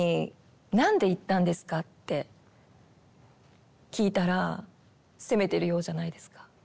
「なんで行ったんですか？」って聞いたら責めてるようじゃないですか。